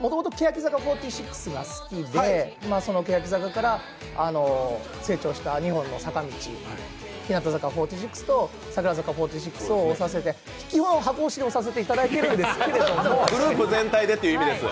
もともと欅坂４６が好きで、その欅坂から成長した２本の坂道、日向坂４６と櫻坂４６を推させて、基本箱推しで推させていただいてるんですけどグループ全体でという意味です。